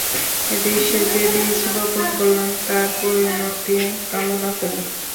এদেশে যে বীজ বপন করলাম, তার পরিণতি কামনা করি।